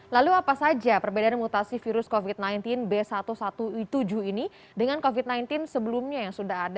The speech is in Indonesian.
lalu apa saja perbedaan mutasi virus covid sembilan belas b satu satu tujuh ini dengan covid sembilan belas sebelumnya yang sudah ada